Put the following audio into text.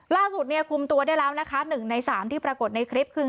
ล่าสุดเนี่ยคุมตัวได้แล้วนะคะ๑ใน๓ที่ปรากฏในคลิปคือ